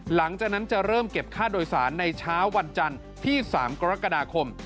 หลังจากนั้นจะเริ่มเก็บค่าโดยสารในเช้าวันจันทร์ที่๓กรกฎาคม